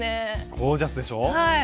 ゴージャスでしょ？